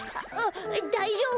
だいじょうぶ？